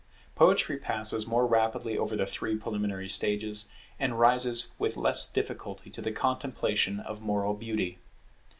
Poetry passes more rapidly over the three preliminary stages, and rises with less difficulty to the contemplation of moral beauty.